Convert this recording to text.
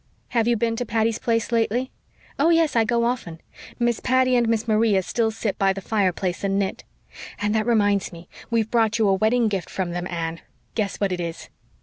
"Have you been to Patty's Place lately?" "Oh, yes, I go often. Miss Patty and Miss Maria still sit by the fireplace and knit. And that reminds me we've brought you a wedding gift from them, Anne. Guess what it is."